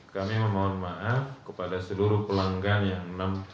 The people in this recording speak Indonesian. kami memohon maaf kepada seluruh pelanggan yang enam